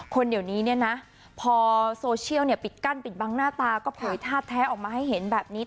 เดี๋ยวนี้เนี่ยนะพอโซเชียลปิดกั้นปิดบังหน้าตาก็เผยท่าแท้ออกมาให้เห็นแบบนี้